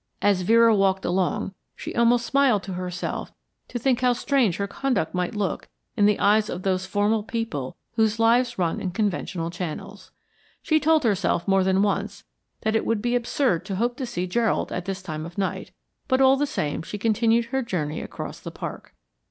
As Vera walked along, she almost smiled to herself to think how strange her conduct might look in the eyes of those formal people whose lives run in conventional channels. She told herself more than once that it would be absurd to hope to see Gerald at this time of night, but all the same she continued her journey across the park.